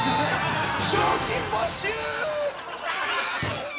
賞金没収！